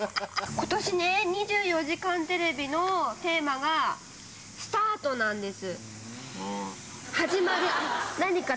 ことしね、２４時間テレビのテーマが、スタート！なんです。